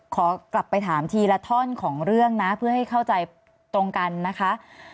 ขอกลับไปถามทีละท่อนของเรื่องนะเพื่อให้เข้าใจตรงกันนะคะ